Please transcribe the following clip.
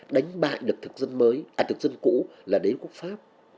đánh bại thực dân cũ là đế quốc pháp